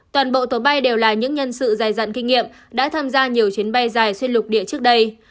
toàn bộ tổ bay đều là những nhân sự dài dặn kinh nghiệm đã tham gia nhiều chuyến bay dài xuyên lục địa trước đây